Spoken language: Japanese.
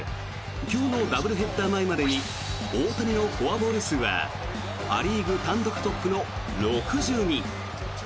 今日のダブルヘッダー前までに大谷のフォアボール数はア・リーグ単独トップの６２。